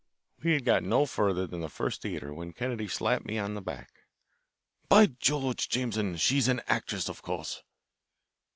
We had got no further than the first theatre when Kennedy slapped me on the back. "By George, Jameson, she's an actress, of course."